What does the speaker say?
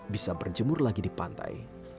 bisa berjemur lagi di pantai